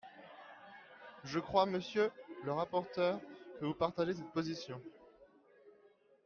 Je crois, monsieur le rapporteur, que vous partagez cette position.